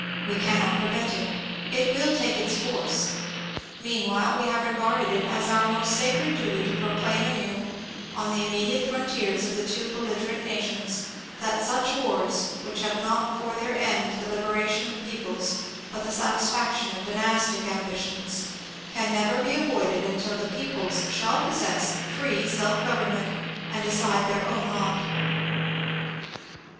We cannot prevent it ; it will take its course. Meanwhile, we have regarded it as our most sacred duty to proclaim anew, on the immediate frontiers of the two belligerent na tions, that such wars, which have not for their end the libera tion of peoples, but the satisfaction of dynastic ambitions, can never be avoided until the peoples shall possess free self gov ernment, and decide their own lot.